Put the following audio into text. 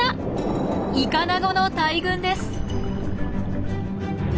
イカナゴの大群です。